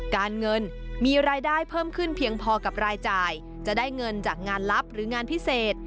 การเงินมีรายได้เพิ่มขึ้นเพียงพอกับรายจ่ายจะได้เงินจากงานลับหรืองานพิเศษ